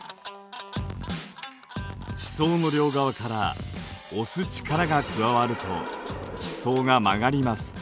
地殻の両側から押す力が加わると地層が曲がります。